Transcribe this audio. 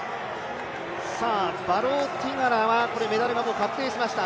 バローティガラはメダルが確定しました。